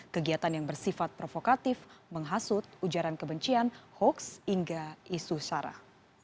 kegiatan yang bersifat provokatif menghasut ujaran kebencian hoaks hingga isu sara